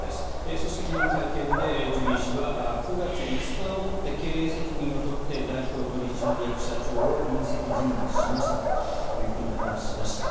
そして昨日の会見でジュリー氏は９月５日をもって経営責任を取って代表取締役社長を引責辞任しましたという話をしました。